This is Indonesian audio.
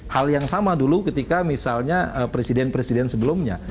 hal yang sama dulu ketika misalnya presiden presiden sebelumnya